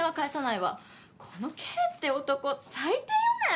この「Ｋ」って男最低よね！